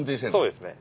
そうですね。